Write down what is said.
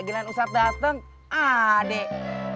gilaan ustadz dateng adek